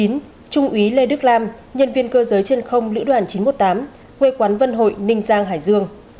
trung úy lê đức lam nhân viên cơ giới trên không lữ đoàn chín trăm một mươi tám quê quán vân hội ninh giang hải dương